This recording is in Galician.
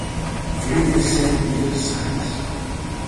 Queredes ser universais?